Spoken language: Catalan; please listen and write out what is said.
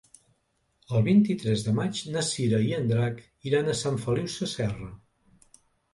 El vint-i-tres de maig na Cira i en Drac iran a Sant Feliu Sasserra.